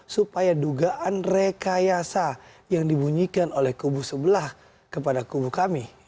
supaya dugaan rekayasa yang dibunyikan oleh kubu sebelah kepada kubu kami